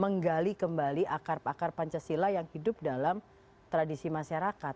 menggali kembali akar pakar pancasila yang hidup dalam tradisi masyarakat